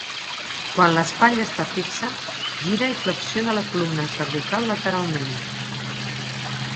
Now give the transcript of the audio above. Quan l'espatlla està fixa, gira i flexiona la columna cervical lateralment.